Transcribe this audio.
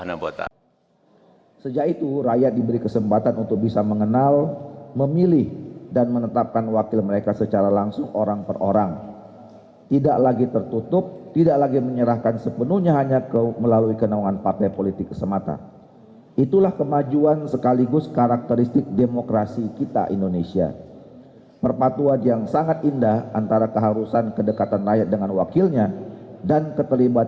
asas inilah yang menjadi landasan utama bagi delapan fraksi tersebut untuk menolak sistem pemilu yang ideal bagi masyarakat sehingga mendekatkan calon pemilu yang ideal bagi masyarakat